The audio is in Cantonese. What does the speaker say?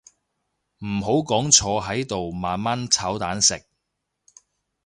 唔好講坐喺度慢慢炒蛋食